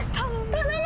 頼む。